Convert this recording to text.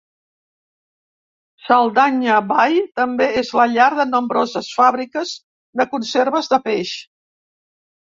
Saldanha Bay també és la llar de nombroses fàbriques de conserves de peix.